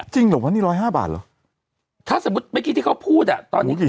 พี่ชอบลุกเนียมท์ดำมากแล้วผมตรงนี้ดีกว่าตอนนี้ด้วย